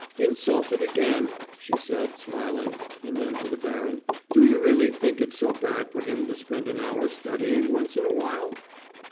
"Insulted again," she said, smiling, and then to the baron, "Do you really think it's so bad for him to spend an hour studying once in a while?"